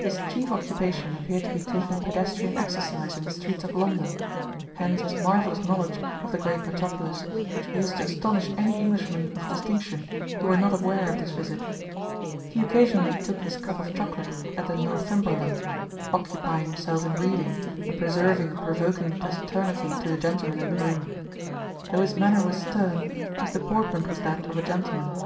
His chief occupation appeared to be taking pedestrian exercise in the streets of London hence his marvellous knowledge of the great metropolis which used to astonish any Englishmen of distinction who were not aware of this visit. He occasionally took his cup of chocolate at the 'Northumberland,' occupying himself in reading, and preserving a provoking taciturnity to the gentlemen in the room; though his manner was stern, his deportment was that of a gentleman."